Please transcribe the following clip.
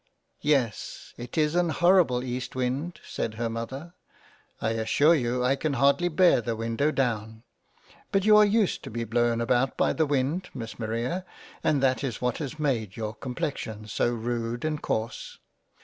" Yes, it is an horrible East wind — said her Mother — I assure you I can hardly bear the window down — But you are used to be blown about by the wind Miss Maria and that is what has made your Com plexion so rudely and coarse.